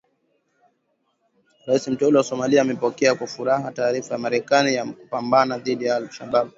Rais Mteule wa Somalia amepokea kwa furaha taarifa ya Marekani ya kupambana dhidi ya Al Shabaab.